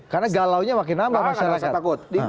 karena galau nya makin nambah masyarakat